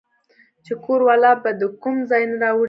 چې کور والا به د کوم ځاے نه راوړې وې